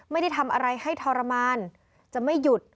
ไม่ได้ทำอะไรให้ทรมานจะไม่หยุด